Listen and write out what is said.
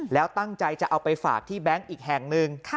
แล้วตั้งใจจะเอาไปฝากที่แบงค์อีกแห่งหนึ่ง